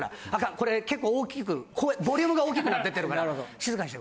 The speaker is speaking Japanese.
これ結構大きく声ボリュームが大きくなってってるから。